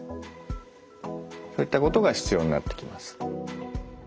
こういったことが必要になってきます。